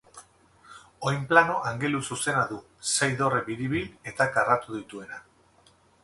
Oinplano angeluzuzena du, sei dorre biribil eta karratu dituena.